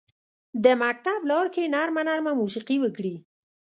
د مکتب لارکې نرمه، نرمه موسیقي وکري